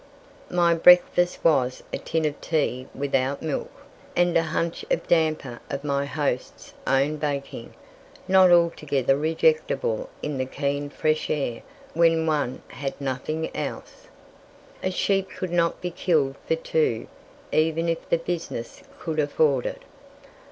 My breakfast was a tin of tea without milk, and a hunch of damper of my host's own baking not altogether rejectable in the keen fresh air when one had nothing else. A sheep could not be killed for two, even if the business could afford it.